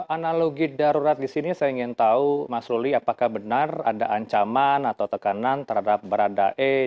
analogi darurat di sini saya ingin tahu mas ruli apakah benar ada ancaman atau tekanan terhadap baradae